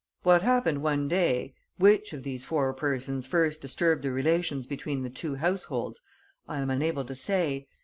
What happened one day, which of these four persons first disturbed the relations between the two households, I am unable to say.